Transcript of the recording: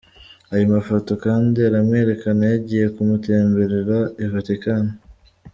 Ayo mafoto kandi aramwerekana yagiye kumutemberera I Vatican.